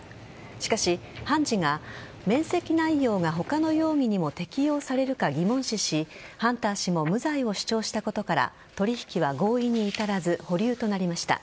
しかし、判事が免責内容が他の容疑にも適用されるか疑問視しハンター氏も無罪を主張したことから取引は合意に至らず保留となりました。